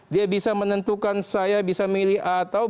dia bisa menentukan saya bisa milih a atau b